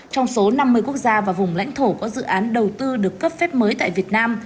trong số năm mươi quốc gia và vùng lãnh thổ có dự án đầu tư được cấp phép mới tại việt nam